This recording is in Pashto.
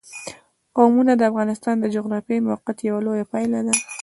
قومونه د افغانستان د جغرافیایي موقیعت یوه لویه پایله ده.